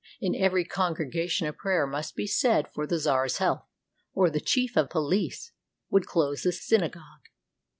In every congregation a prayer must be said for the czar's health, or the chief of police would close the synagogue.